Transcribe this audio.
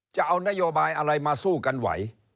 จะเอานโยบายอะไรมาสู้กันไหว